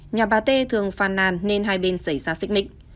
nhà bà t thường phàn nàn nên hai bên xảy ra xích mịch